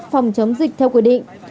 phòng chống dịch theo quy định